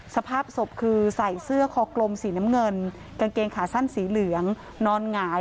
สภาพศพคือใส่เสื้อคอกลมสีน้ำเงินกางเกงขาสั้นสีเหลืองนอนหงาย